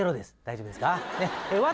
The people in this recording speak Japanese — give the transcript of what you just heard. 大丈夫ですか？